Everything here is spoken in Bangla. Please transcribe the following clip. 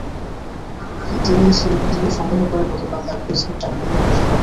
তিনি সেই ভিডিও সংগ্রহ করে গতকাল তাঁর ফেসবুক টাইমলাইনে পোস্ট করেন।